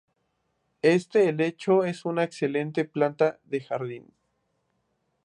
Este helecho es una excelente planta de jardín.